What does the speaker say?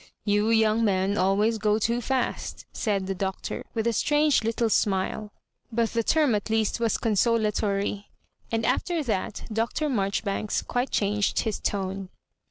" Tou young men always go too fast," said tho Doctor, with a strange little smile ; but the term at least was consolatory ; and after that Dr. Marjoribanks quite changed his tone.